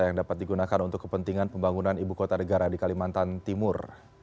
yang dapat digunakan untuk kepentingan pembangunan ibu kota negara di kalimantan timur